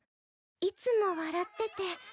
いつも笑ってて。